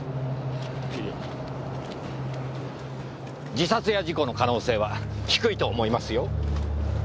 自殺や事故の可能性は低いと思いますよ。